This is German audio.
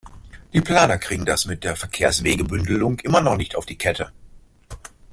Die Planer kriegen das mit der Verkehrswegebündelung immer noch nicht auf die Kette.